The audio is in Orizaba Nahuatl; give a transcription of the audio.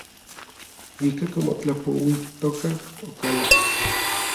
Ijkuak omotlapouijtokaj, okalak.